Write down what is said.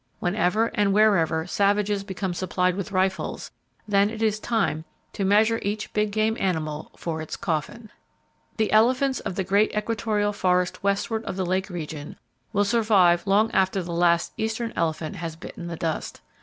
Whenever and wherever savages become supplied with rifles, then it is time to measure each big game animal for its coffin. The elephants of the great equatorial forest westward of the lake region will survive long after the last eastern elephant has bitten the dust.